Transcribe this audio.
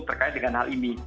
terkait dengan hal ini